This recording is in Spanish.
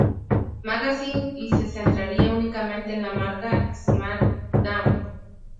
Magazine, y se centraría únicamente en la marca SmackDown!.